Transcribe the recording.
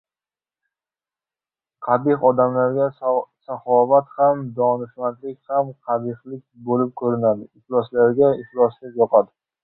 Qabih odamga saxovat ham, donishlik ham qabihlik bo‘lib ko‘rinadi: iflosga — ifloslik yoqadi.